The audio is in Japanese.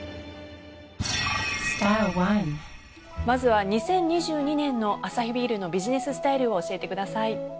まずは２０２２年のアサヒビールのビジネススタイルを教えてください。